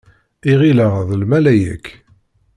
I ɣileɣ d lmalayek.